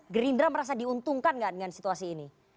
green drum merasa diuntungkan tidak dengan siapa